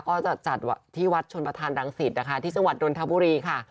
ก็จะจัดที่วัดชนประธานรังสิตนะคะที่จังหวัดดนทบุรีค่ะ